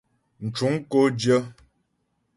Mcuŋ kó dyə̂.